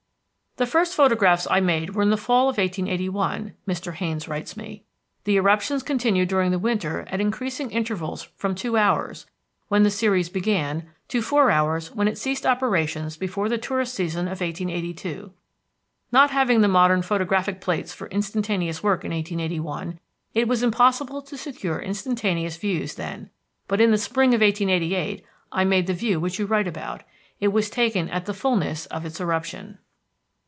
"The first photographs I made were in the fall of 1881," Mr. Haynes writes me. "The eruptions continued during the winter at increasing intervals from two hours, when the series began, to four hours when it ceased operations before the tourist season of 1882. Not having the modern photographic plates for instantaneous work in 1881, it was impossible to secure instantaneous views then, but in the spring of 1888, I made the view which you write about. It was taken at the fulness of its eruption.